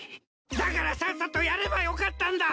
だからさっさとやればよかったんだ！